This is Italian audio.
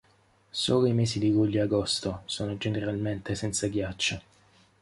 Solo i mesi di luglio e agosto sono generalmente senza ghiaccio.